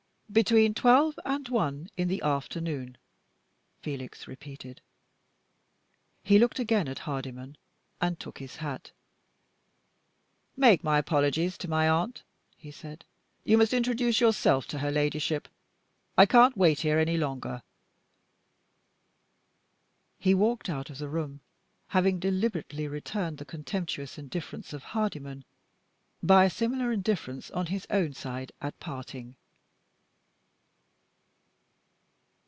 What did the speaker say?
"Between twelve and one in the afternoon," Felix repeated. He looked again at Hardyman and took his hat. "Make my apologies to my aunt," he said. "You must introduce yourself to her Ladyship. I can't wait here any longer." He walked out of the room, having deliberately returned the contemptuous indifference of Hardyman by a similar indifference on his own side, at parting.